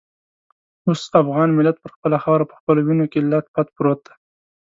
اوس افغان ملت پر خپله خاوره په خپلو وینو کې لت پت پروت دی.